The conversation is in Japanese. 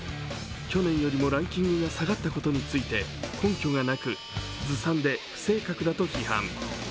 去年よりもランキングが下がったことについて、根拠がなくずさんで不正確だと批判。